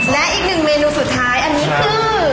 และอีกหนึ่งเมนูสุดท้ายอันนี้คือ